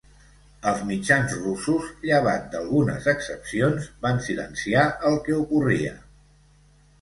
Els mitjans russos, llevat d'algunes excepcions, van silenciar el que ocorria.